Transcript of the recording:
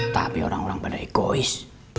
tapi orang orang pada egois